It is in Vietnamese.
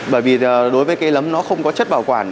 bởi vì đối với cây lấm nó không có chất bảo quản